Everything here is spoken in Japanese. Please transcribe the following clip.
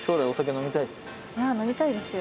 飲みたいですよ